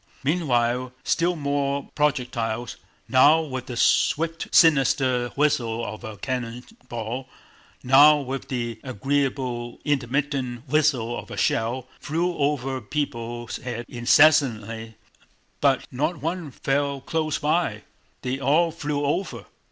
Meanwhile still more projectiles, now with the swift sinister whistle of a cannon ball, now with the agreeable intermittent whistle of a shell, flew over people's heads incessantly, but not one fell close by, they all flew over.